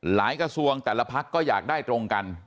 กระทรวงแต่ละพักก็อยากได้ตรงกัน